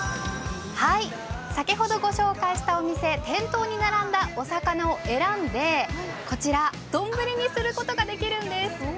先ほどご紹介したお店、店頭に並んだお魚を選んでこちら丼にすることができるんです。